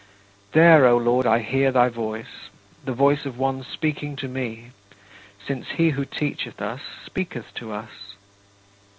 There, O Lord, I hear thy voice, the voice of one speaking to me, since he who teacheth us speaketh to us.